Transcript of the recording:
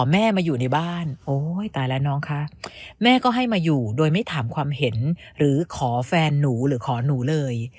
แม่ก็ให้มาอยู่โดยไม่ถามความเห็นหรือขอแฟนหนูหรือขอหนูเลย